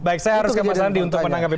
baik saya harus ke mas andi untuk menanggapi